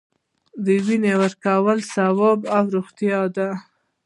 د وینې ورکول ثواب او روغتیا ده